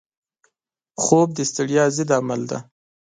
خوب د ستړیا ضد عمل دی